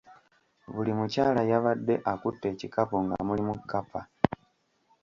Buli mukyala yabadde akutte ekikapu nga mulimu kkapa.